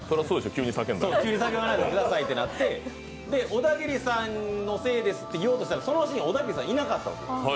急に叫ばないでくださいってなって、オダギリさんのせいですって言おうとしたら、そのシーン、オダギリさんいなかったんです。